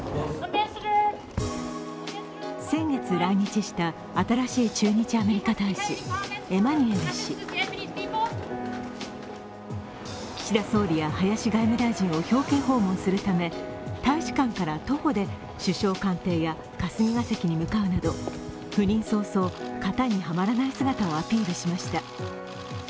先月来日した新しい駐日アメリカ大使、エマニュエル氏岸田総理や林外務大臣を表敬訪問するため大使館から徒歩で首相官邸や霞が関に向かうなど、赴任早々、型にはまらない姿をアピールしました。